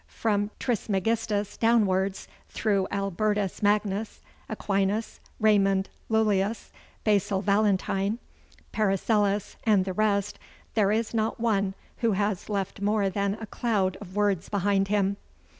From Trismegistus downwards through Albertus Magnus, Aquinas, Raymond Lullius, Basil Valentine, Paracelsus, and the rest, there is not one who has left more than a cloud of words behind him.